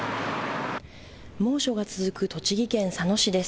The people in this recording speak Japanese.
猛暑が続く栃木県佐野市です。